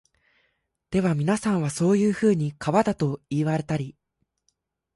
ではみなさんは、そういうふうに川だと云いわれたり、